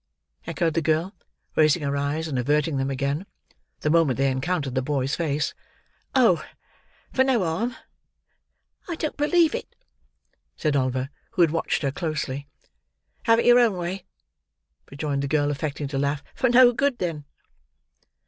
echoed the girl, raising her eyes, and averting them again, the moment they encountered the boy's face. "Oh! For no harm." "I don't believe it," said Oliver: who had watched her closely. "Have it your own way," rejoined the girl, affecting to laugh. "For no good, then."